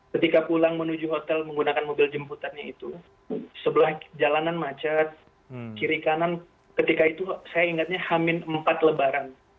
ketika pulang menuju hotel menggunakan mobil jemputannya itu sebelah jalanan macet kiri kanan ketika itu saya ingatnya hamin empat lebaran